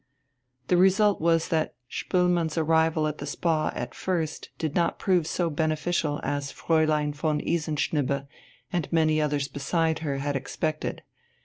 The result was that Spoelmann's arrival at the Spa at first did not prove so beneficial as Fräulein von Isenschnibbe and many others beside her had expected.